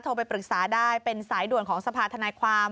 ไปปรึกษาได้เป็นสายด่วนของสภาธนายความ